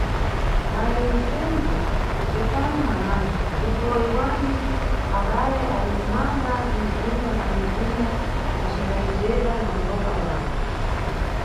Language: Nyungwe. Mayi msenzi, tesani mwananu, ndipo yebwani, abale ali kumanga tumizinda na mizinda acimbayijeda na mulopa wawo.